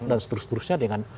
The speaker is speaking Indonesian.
dan seterusnya dengan